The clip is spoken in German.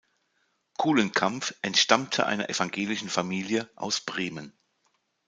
Kulenkampff entstammte einer evangelischen Familie aus Bremen.